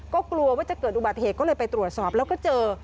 ก็กลัวว่าจะเกิดอุบัติเหตุก็เลยไปตรวจสอบแล้วก็เจอ